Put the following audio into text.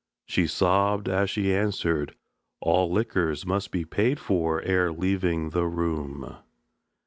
She sobbed, as she answered, "All liquors Must be paid for ere leaving the room."